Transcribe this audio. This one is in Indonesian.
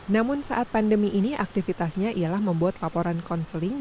namun saat pandemi ini aktivitasnya ialah membuat laporan konseling